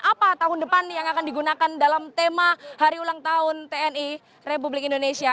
apa tahun depan yang akan digunakan dalam tema hari ulang tahun tni republik indonesia